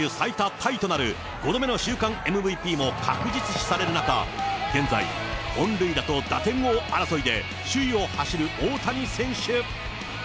タイとなる５度目の週間ＭＶＰも確実視される中、現在、本塁打と打点王争いで、首位を走る大谷選手。